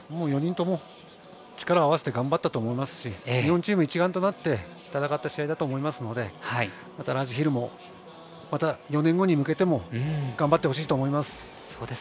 ４人とも力を合わせて頑張ったと思いますし日本チーム一丸となって戦った試合だと思いますのでラージヒルも、４年後に向けても頑張ってほしいと思います。